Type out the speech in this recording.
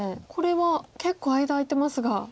これは結構間空いてますが。